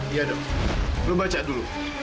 iya dong belum baca dulu